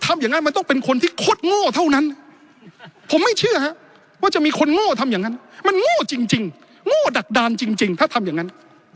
มันโง่จริงโง่ดักดานจริงถ้าทำอย่างนั้น